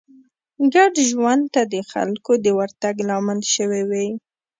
ګډ ژوند ته د خلکو د ورتګ لامل شوې وي